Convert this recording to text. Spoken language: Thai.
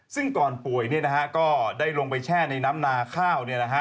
ซึ่งก่อนป่วยก็ได้ลงไปแช่ในน้ำนาข้าว